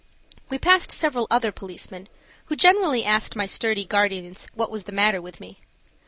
We passed several other policemen, who generally asked my sturdy guardians what was the matter with me.